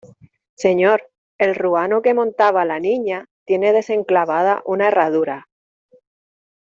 señor, el ruano que montaba la Niña tiene desenclavada una herradura...